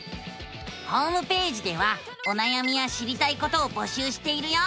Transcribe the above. ホームページではおなやみや知りたいことを募集しているよ！